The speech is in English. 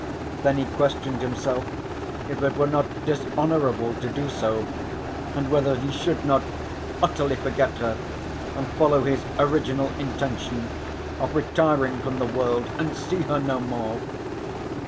Then he questioned himself if it were not dishonourable to do so, and whether he should not utterly forget her and follow his original intention of retiring from the world, and see her no more.